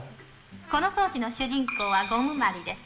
この装置の主人公はゴムまりです。